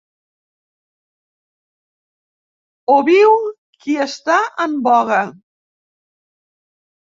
Ho viu qui està en voga.